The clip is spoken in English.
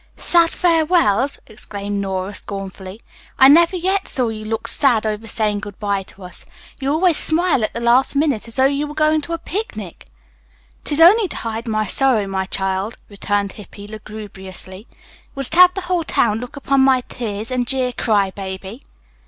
"Sad farewells!" exclaimed Nora scornfully. "I never yet saw you look sad over saying good bye to us. You always smile at the last minute as though you were going to a picnic." "'Tis only to hide my sorrow, my child," returned Hippy lugubriously. "Would'st have the whole town look upon my tears and jeer, 'cry baby'?"